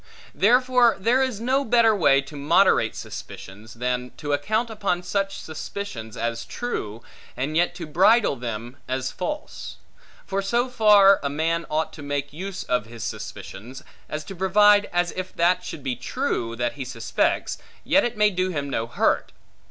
Therefore there is no better way, to moderate suspicions, than to account upon such suspicions as true, and yet to bridle them as false. For so far a man ought to make use of suspicions, as to provide, as if that should be true, that he suspects, yet it may do him no hurt.